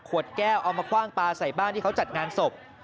แก้วเอามาคว่างปลาใส่บ้านที่เขาจัดงานศพ